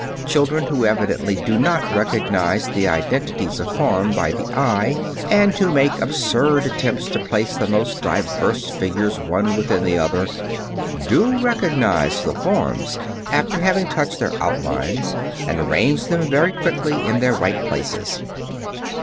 Children who evidently do not recognize the identities of form by the eye and who make absurd attempts to place the most diverse figures one within the other, do recognize the forms after having touched their outlines, and arrange them very quickly in their right places.